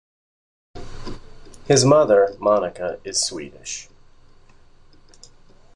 His mother, Monica, is Swedish.